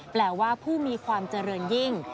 แปลว่าผู้มีความเจริญยิ่ง